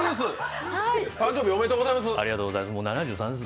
誕生日おめでとうございます。